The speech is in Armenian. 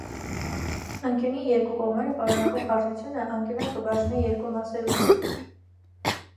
Անկիւնի երկու կողմերը պարունակող հարթութիւնը անկիւնով կը բաժնէ երկու մասերու։